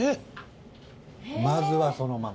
まずはそのまま？